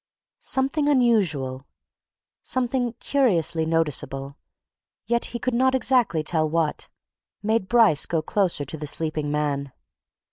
Something unusual, something curiously noticeable yet he could not exactly tell what made Bryce go closer to the sleeping man.